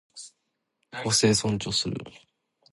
個性を尊重する